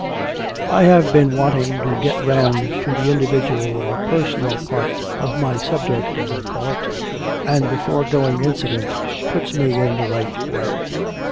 I have been wanting to get round to the individual or personal part of my subject, as I call it, and the foregoing incident puts me in the right way.